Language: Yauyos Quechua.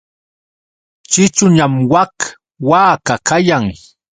Ćhićhuñam wak waka kayan.